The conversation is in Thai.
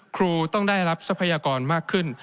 ครูต้องได้รับทรัพยากรมากขึ้น